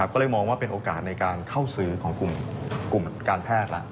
ก็เลยมองว่าเป็นโอกาสในการเข้าซื้อของกลุ่มการแพทย์แล้ว